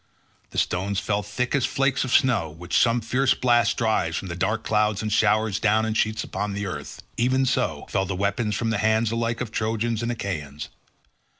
The stones fell thick as the flakes of snow which some fierce blast drives from the dark clouds and showers down in sheets upon the earth—even so fell the weapons from the hands alike of Trojans and Achaeans.